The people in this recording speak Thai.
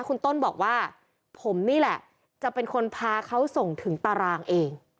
คุณต้นบอกว่าผมนี่แหละจะเป็นคนพาเขาส่งถึงตารางเอง